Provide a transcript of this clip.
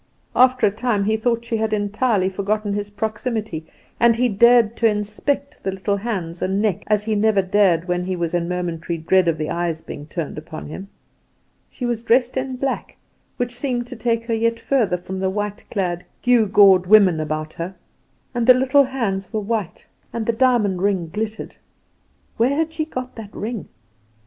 After a time he thought she had entirely forgotten his proximity, and he dared to inspect the little hands and neck as he never dared when he was in momentary dread of the eyes being turned upon him. She was dressed in black, which seemed to take her yet further from the white clad, gewgawed women about her; and the little hands were white, and the diamond ring glittered. Where had she got that ring?